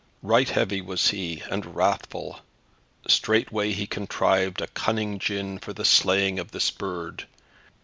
Right heavy was he and wrathful. Straightway he contrived a cunning gin for the slaying of this bird.